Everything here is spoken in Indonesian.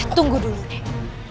tunggu dulu deh